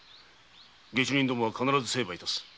下手人は必ず成敗致す。